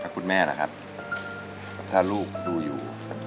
คุณแม่ล่ะครับถ้าลูกดูอยู่